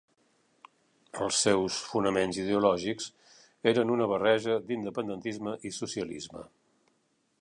Els seus fonaments ideològics eren una barreja d'independentisme i socialisme.